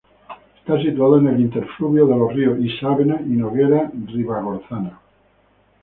Está situado en el interfluvio de los ríos Isábena y Noguera Ribagorzana.